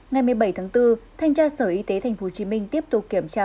ngày một mươi bảy tháng bốn thanh tra sở y tế tp hcm tiếp tục kiểm tra